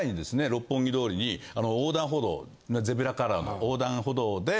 六本木通りにあの横断歩道ゼブラカラーの横断歩道で。